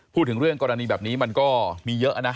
พูดถึงเรื่องกรณีแบบนี้มันก็มีเยอะนะ